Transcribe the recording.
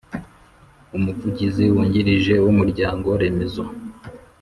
Umuvugizi Wungirije w umuryango remezo